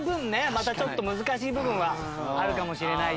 またちょっと難しい部分はあるかもしれないね。